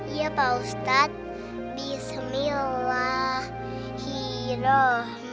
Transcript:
iya pak ustad bismillahirrahmanirrahim